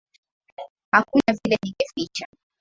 Hakuna vile ningeficha.